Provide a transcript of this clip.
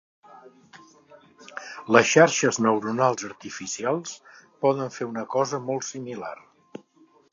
Les xarxes neuronals artificials poden fer una cosa molt similar.